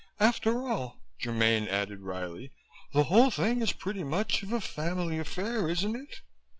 After all," Germaine added wryly, "the whole thing is pretty much of a family affair, isn't it?